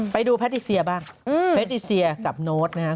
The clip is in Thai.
ไปดูแพทย์เซียบ้างแพทย์เซียกับโน๊ตนะครับ